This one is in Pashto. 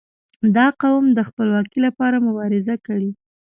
• دا قوم د خپلواکي لپاره مبارزه کړې.